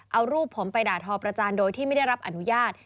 เอารูปผมไปด่าทอประจานโดยที่ไม่ได้รับอนุญาต